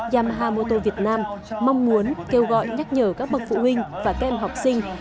yamaha moto việt nam mong muốn kêu gọi nhắc nhở các bậc phụ huynh và các em học sinh